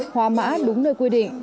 hóa mã đúng nơi quy định